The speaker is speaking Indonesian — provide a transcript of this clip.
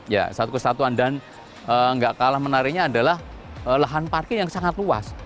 ya satu kesatuan dan nggak kalah menariknya adalah lahan parkir yang sangat luas